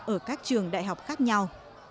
ở các trường đại học khác nhau